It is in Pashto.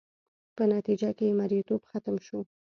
په نتیجه کې یې مریتوب ختم شو.